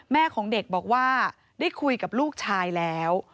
แม่ของเด็กบอกว่าได้คุยกับลูกชายแล้ว